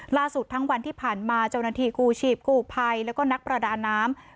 ทั้งวันที่ผ่านมาเจ้าหน้าที่กู้ชีพกู้ภัยแล้วก็นักประดาน้ำ